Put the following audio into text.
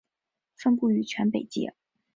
分布于全北界。